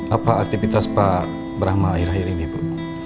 apa aktivitas pak brahma akhir akhir ini bu